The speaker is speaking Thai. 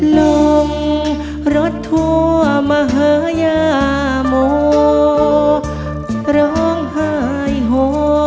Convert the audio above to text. ลงรถทั่วมหยามโหร้องหายโห